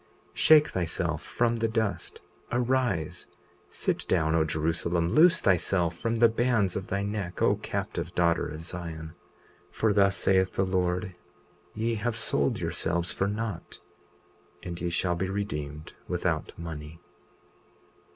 20:37 Shake thyself from the dust; arise, sit down, O Jerusalem; loose thyself from the bands of thy neck, O captive daughter of Zion. 20:38 For thus saith the Lord: Ye have sold yourselves for naught, and ye shall be redeemed without money.